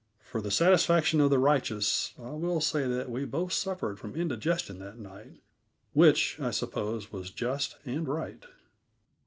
For the satisfaction of the righteous I will say that we both suffered from indigestion that night, which I suppose was just and right.